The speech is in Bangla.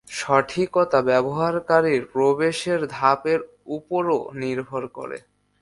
সঠিকতা ব্যবহারকারীর প্রবেশের ধাপের উপরও নির্ভর করে।